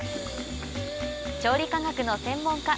調理科学の専門家